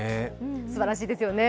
すばらしいですよね。